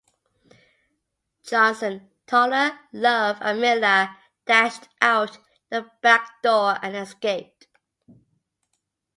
Johnson, Toler, Love, and Miller dashed out the back door and escaped.